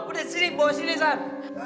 udah sini bawa sini san